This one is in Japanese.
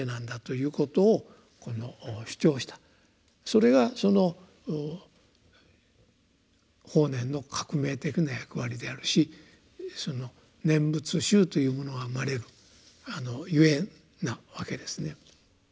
それが法然の革命的な役割であるし「念仏集」というものが生まれるゆえんなわけですね。